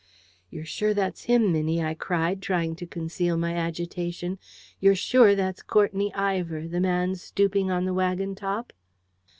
"You're sure that's him, Minnie?" I cried, trying to conceal my agitation. "You're sure that's Courtenay Ivor, the man stooping on the wagon top?"